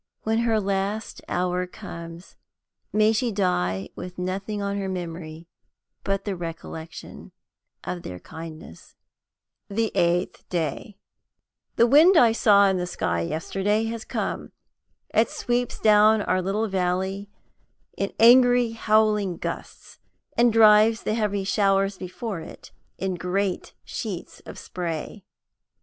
When her last hour comes, may she die with nothing on her memory but the recollection of their kindness! THE EIGHTH DAY. THE wind that I saw in the sky yesterday has come. It sweeps down our little valley in angry howling gusts, and drives the heavy showers before it in great sheets of spray.